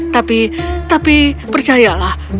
tapi tapi percayalah